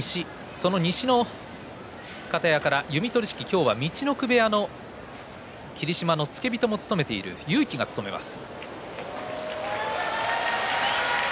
その西の方屋から弓取式に今日は陸奥部屋の霧島の付け人も務めている勇輝が務めます。